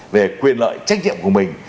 về quyền lợi trách nhiệm của mình